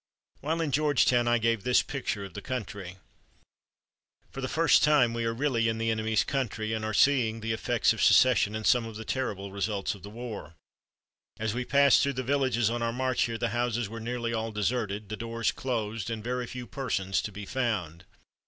While in Georgetown I gave this picture of the country: "For the first time we are really in the enemy's country, and are seeing the effects of secession and some of the terrible results of war. As we passed through the villages on our march here, the houses were nearly all deserted, the doors closed, and very few persons to be found.